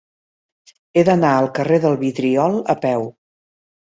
He d'anar al carrer del Vidriol a peu.